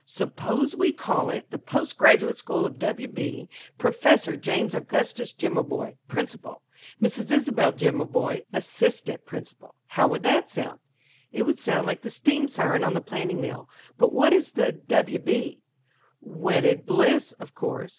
"Suppose we call it The Post Graduate School of W. B., Professor James Augustus Jimaboy, principal; Mrs. Isobel Jimaboy, assistant principal. How would that sound?" "It would sound like the steam siren on the planing mill. But what is the 'W. B.'?" "'Wedded Bliss,' of course.